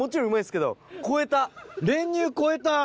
練乳超えた。